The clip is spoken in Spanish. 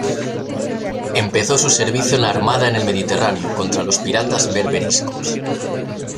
Empezó su servicio en la Armada en el Mediterráneo contra los piratas berberiscos.